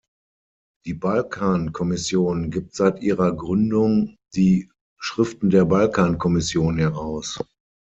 Die Balkan-Kommission gibt seit ihrer Gründung die "Schriften der Balkan-Kommission" heraus.